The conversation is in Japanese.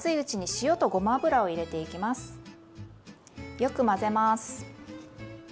よく混ぜます。